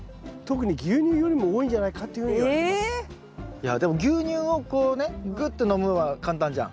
いやでも牛乳をこうねぐって飲むのは簡単じゃん。